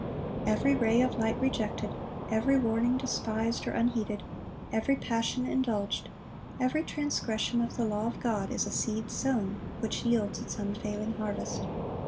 Every ray of light rejected, every warning despised or unheeded, every passion indulged, every transgression of the law of God, is a seed sown, which yields its unfailing harvest.